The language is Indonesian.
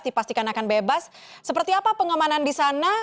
jika anaknya akan bebas seperti apa pengamanan di sana